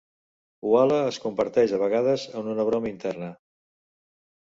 Walla es converteix a vegades en una broma interna.